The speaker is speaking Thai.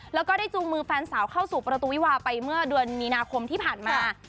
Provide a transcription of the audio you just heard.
แล้วก็ได้จูงมือแฟนสาวเข้าสู่ประตูวิวาไปเมื่อเดือนมีนาคมที่ผ่านมา